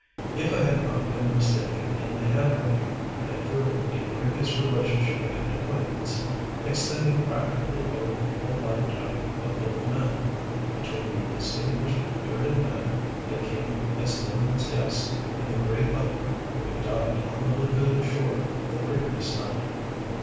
If I had not been mistaken in the handwriting, I had proven a previous relationship and acquaintance, extending practically over the whole lifetime of both men, between the distinguished, bearded man that came as Nealman's guest and the gray butler who had died on the lagoon shore the previous night.